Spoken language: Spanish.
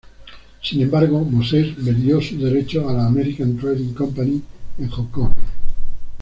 Sin embargo, Moses vendió sus derechos a la American Trading Company en Hong Kong.